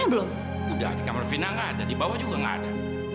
aku pasti akan membayar hutang hutang aku